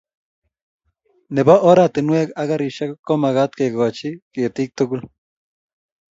Nebo oratinwek ak garisiek komagat kekoch ketik tugul